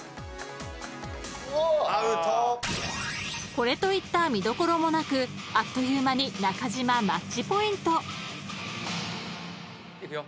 ［これといった見どころもなくあっという間に中島マッチポイント］いくよ。